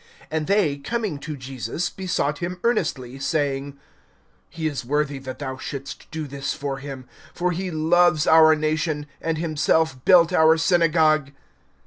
(4)And they, coming to Jesus, besought him earnestly, saying: He is worthy that thou shouldst do this for him; (5)for he loves our nation, and himself built our synagogue.